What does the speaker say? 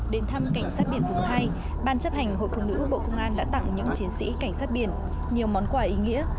đến thăm cảnh sát biển vùng hai ban chấp hành hội phụ nữ bộ công an đã tặng những chiến sĩ cảnh sát biển nhiều món quà ý nghĩa